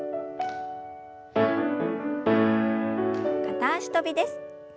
片脚跳びです。